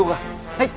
はい。